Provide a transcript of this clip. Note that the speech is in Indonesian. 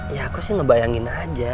ya aku sih ngebayangin aja